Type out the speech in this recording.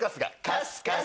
カスカス。